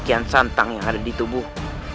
kian santan yang ada di tubuh